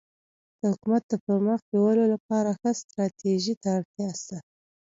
د حکومت د پرمخ بیولو لپاره ښه ستراتيژي ته اړتیا سته.